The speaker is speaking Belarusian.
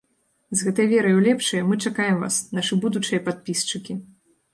З гэтай верай у лепшае мы чакаем вас, нашы будучыя падпісчыкі!